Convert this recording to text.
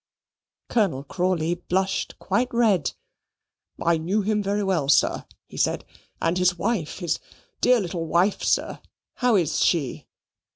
Colonel Crawley blushed quite red. "I knew him very well, sir," he said, "and his wife, his dear little wife, sir how is she?"